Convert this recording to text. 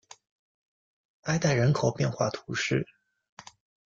埃代人口变化图示